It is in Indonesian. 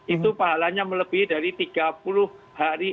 itu pahalanya melebih dari tiga puluh hari